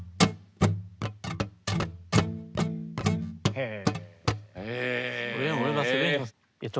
へえ。